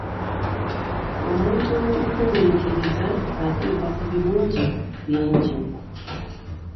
Omuntu omuguminkiriza atuuka ku birungi bingi.